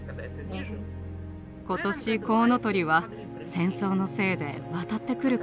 今年コウノトリは戦争のせいで渡ってくることができませんでした。